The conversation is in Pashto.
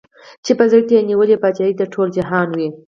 چي په زړه کي یې نیولې پاچهي د ټول جهان وي